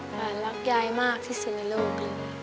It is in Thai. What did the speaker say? หลานรักยายมากที่สิ้นในโลก